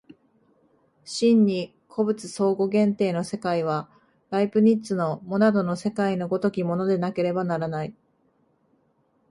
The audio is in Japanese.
真に個物相互限定の世界は、ライプニッツのモナドの世界の如きものでなければならない。